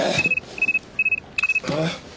ああ！